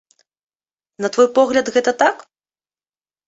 На твой погляд, гэта так?